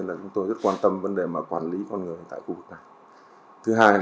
nên tôi rất quan tâm vấn đề quản lý con người tại khu vực này